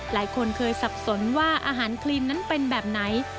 หลายคนเคยสับสนว่าอาหารคลีนนั้นเป็นแบบไหน